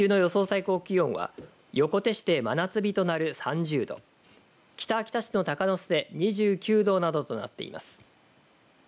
最高気温は横手市で真夏日となる３０度北秋田市の鷹巣で２９度などとなっています。